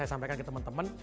saya sampaikan ke teman teman